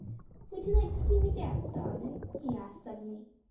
"Would you like to see me dance, darlint?" he asked suddenly.